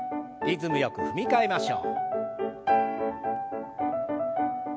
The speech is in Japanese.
リズムよく踏み替えましょう。